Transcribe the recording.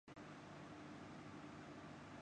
ان کی نظر میں یہ مشکل فیصلے ہیں؟